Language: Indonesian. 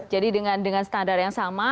jadi dengan standar yang sama